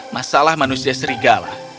masalah manusia serigala